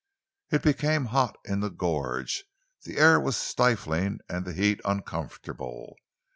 It became hot in the gorge; the air was stifling and the heat uncomfortable.